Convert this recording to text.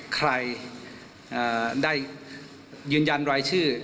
ใครได้ยืนยันรายชื่อ